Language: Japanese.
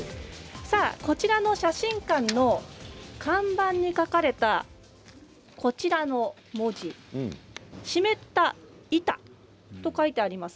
こちらの写真館の看板に書かれたこの文字湿った板と書いてあります。